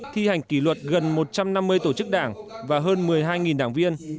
thi hành kỷ luật gần một trăm năm mươi tổ chức đảng và hơn một mươi hai đảng viên